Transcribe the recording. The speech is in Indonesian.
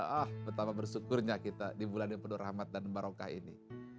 ah betapa bersyukurnya kita di bulan yang penuh rahmat dan barokah ini